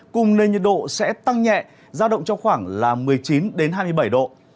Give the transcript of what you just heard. cùng nền nhiệt độ sẽ tăng nhẹ giao động trong khoảng một mươi chín hai mươi bảy độ